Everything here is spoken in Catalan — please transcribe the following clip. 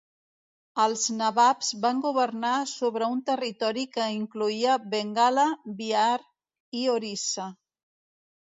Els nababs van governar sobre un territori que incloïa Bengala, Bihar i Orissa.